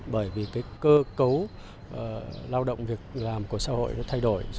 bởi vì cơ cấu lao động việc làm của xã hội thay đổi